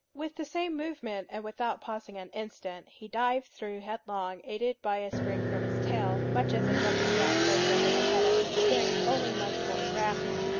With the same movement, and without pausing an instant, he dived through headlong, aided by a spring from his tail, much as a jumping jack goes over the head of his stick, only much more rapidly.